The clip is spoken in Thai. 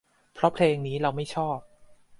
เพราะเพลงนี้เราไม่ชอบ